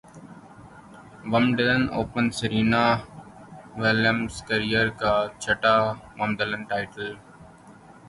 Wimbledon open Serena ولیمزنےکیرئیر کا چھٹا ومبلڈن ٹائٹل جیت لیا